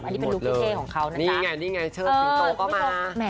อันนี้เป็นลูกเท่ของเขานะค่ะ